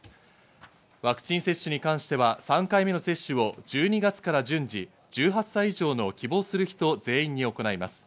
ワクチン接種に関しては３回目の接種を１２月から順次、１８歳以上の希望する人全員に行います。